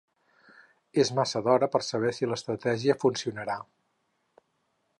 És massa d'hora per saber si l'estratègia funcionarà.